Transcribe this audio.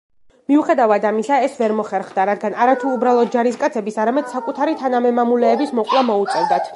მიუხედავად ამისა, ეს ვერ მოხერხდა, რადგან არათუ უბრალოდ ჯარისკაცების, არამედ საკუთარი თანამემამულეების მოკვლა მოუწევდათ.